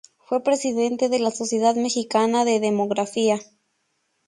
Fue presidente de la Sociedad Mexicana de Demografía.